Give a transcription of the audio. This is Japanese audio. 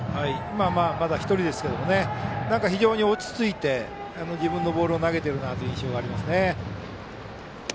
まだ１人ですけども非常に落ち着いて自分のボールを投げている印象があります。